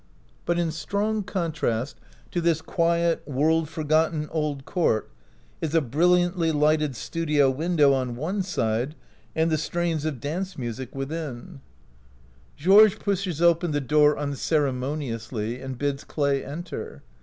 But in strong con trast to this quiet, world forgotten old court is a brilliantly lighted studio window on one side and the strains of dance music within. 7 OUT OF BOHEMIA Georges pushes open the door unceremo niously and bids Clay enter.